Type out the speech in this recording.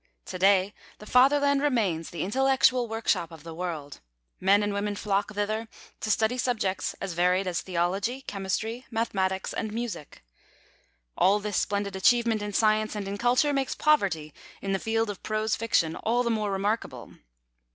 To day the Fatherland remains the intellectual workshop of the world; men and women flock thither to study subjects as varied as Theology, Chemistry, Mathematics, and Music. All this splendid achievement in science and in culture makes poverty in the field of prose fiction all the more remarkable.